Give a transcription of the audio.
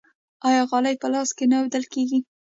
آیا غالۍ په لاس نه اوبدل کیږي؟